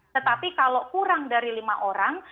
tetapi kalau kurang dari lima orang